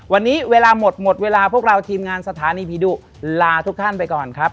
วันนี้เวลาหมดหมดเวลาพวกเราทีมงานสถานีผีดุลาทุกท่านไปก่อนครับ